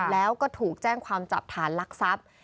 แล้วก็ถูกแจ้งความจับฐานลักทรัพย์